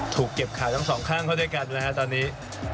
ถูกเก็บข่าวน้ำสองข้างเข้าเจ้ากันนะครับตอนนี้